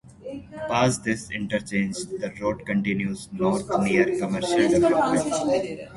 Past this interchange, the road continues north near commercial development.